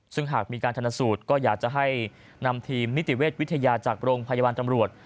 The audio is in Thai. ซึ่งหากมีการธนสูตรก็อยากจะให้นำทีมนิติเวชวิทยาจากโรงพยาบาลตำรวจ